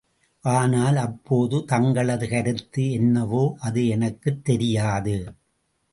ஆனால், அப்போது தங்களது கருத்து என்னவோ, அது எனக்குத் தெரியாது.